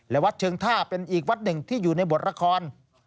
และวัดเชิงท่าเป็นอีกวัดหนึ่งที่อยู่ในบทละคร